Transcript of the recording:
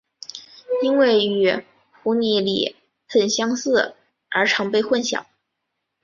因为与湖拟鲤很相似而常被混淆。